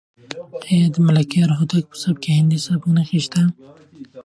آیا د ملکیار هوتک په سبک کې د هندي سبک نښې شته؟